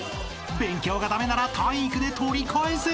［勉強が駄目なら体育で取り返せ］